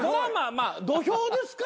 まあ土俵ですから。